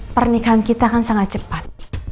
pernikahan kita kan sangat cepat